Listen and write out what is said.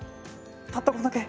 たったこれだけ？